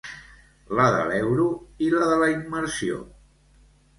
La de l'euro i la de la immersió.